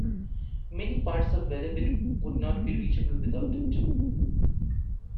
Many parts of Velebit would not be reachable without it.